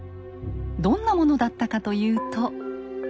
どんなものだったかというと。